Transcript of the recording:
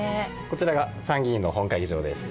こちらが参議院の本会議場です。